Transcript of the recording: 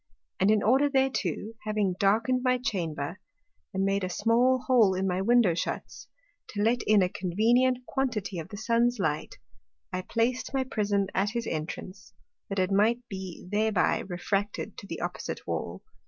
And in order thereto, having darken'd my Chamber, and made a small hole in my Window shuts, to let in a convenient quantity of the Sun's Light, I plac'd my Prism at his entrance, that it might be thereby refracted to the opposite Wall.